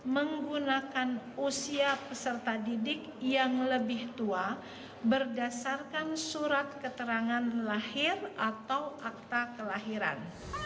menggunakan usia peserta didik yang lebih tua berdasarkan surat keterangan lahir atau akta kelahiran